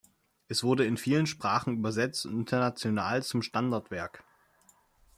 Es wurde in viele Sprachen übersetzt und international zum Standardwerk.